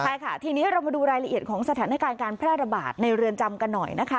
ใช่ค่ะทีนี้เรามาดูรายละเอียดของสถานการณ์การแพร่ระบาดในเรือนจำกันหน่อยนะคะ